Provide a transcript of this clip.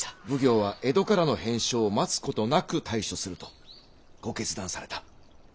奉行は江戸からの返書を待つことなく対処するとご決断された。